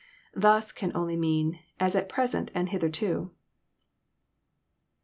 *' Thns" can only mean *' as at present, and hitherto."